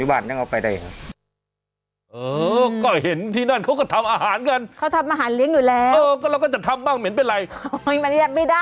เอื้อเห็นที่นั่นเขาก็ทำอาหารกันเราก็จะทำบ้างเหมียนเป็นไร